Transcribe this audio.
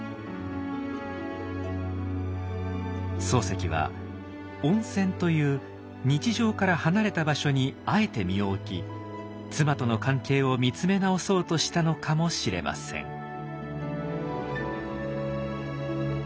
漱石は温泉という日常から離れた場所にあえて身を置き妻との関係を見つめ直そうとしたのかもしれません。